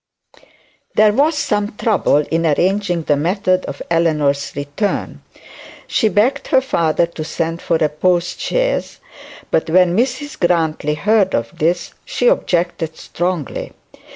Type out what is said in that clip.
There was some trouble in arranging the method of Eleanor's return. She begged her father to send for a postchaise; but when Mrs Grantly heard of this, she objected strongly.